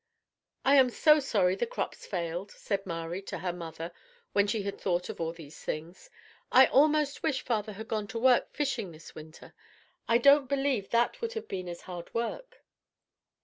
"I am so sorry the crops failed," said Mari to her mother when she had thought of all these things. "I almost wish father had gone to work fishing this winter. I don't believe that would have been as hard work."